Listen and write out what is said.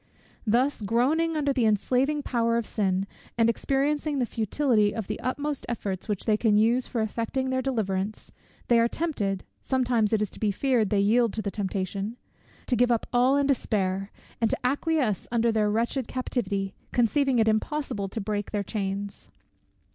Thus groaning under the enslaving power of sin, and experiencing the futility of the utmost efforts which they can use for effecting their deliverance, they are tempted (sometimes it is to be feared they yield to the temptation) to give up all in despair, and to acquiesce under their wretched captivity, conceiving it impossible to break their chains.